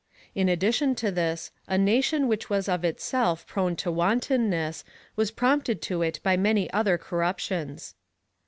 In addition to this, a nation which was of itself prone to wantonness, was prompted to it by many other corruptions.